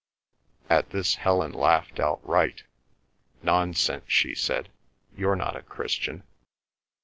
At this Helen laughed outright. "Nonsense," she said. "You're not a Christian.